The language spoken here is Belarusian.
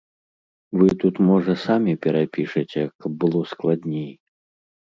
Вы тут, можа, самі перапішаце, каб было складней.